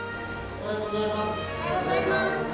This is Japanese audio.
おはようございます。